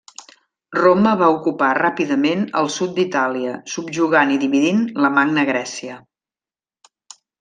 Roma va ocupar ràpidament el sud d'Itàlia, subjugant i dividint la Magna Grècia.